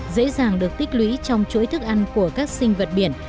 dễ dàng được tích lũy trong chuỗi thức ăn của các sinh vật biển